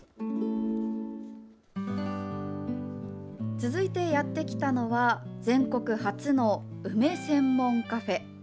続いてやってきたのは全国初の梅専門カフェ。